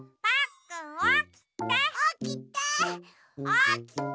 おきて！